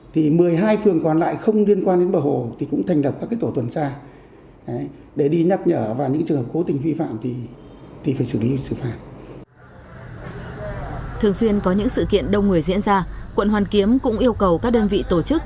thường xuyên có những sự kiện đông người diễn ra quận hoàn kiếm cũng yêu cầu các đơn vị tổ chức